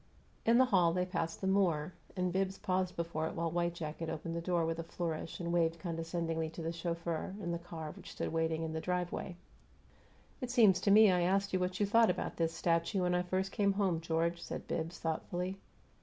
In the hall they passed the Moor, and Bibbs paused before it while white jacket opened the door with a flourish and waved condescendingly to the chauffeur in the car which stood waiting in the driveway. "It seems to me I asked you what you thought about this 'statue' when I first came home, George," said Bibbs, thoughtfully.